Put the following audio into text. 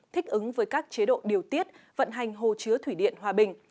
thích ứng với các chế độ điều tiết vận hành hồ chứa thủy điện hòa bình